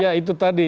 ya itu tadi